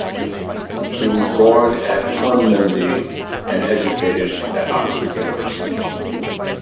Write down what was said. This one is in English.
He was born at Hunmanby and educated at Oxford University.